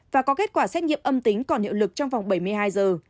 và có kết quả xét nghiệm âm tính còn hiệu lực trong vòng bảy mươi hai giờ